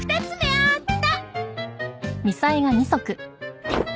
あった！